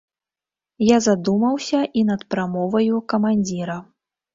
Я задумаўся і над прамоваю камандзіра.